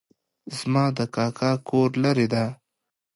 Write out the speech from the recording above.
زما د کاکا کور لرې ده